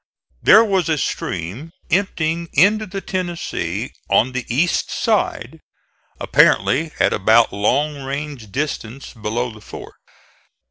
There was a stream emptying into the Tennessee on the east side, apparently at about long range distance below the fort.